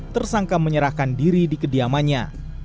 tersangka menyerahkan diri di kediamannya